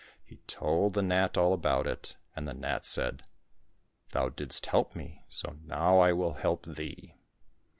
He told the gnat all about it, and the gnat said, *' Thou didst help me, so now I will help thee.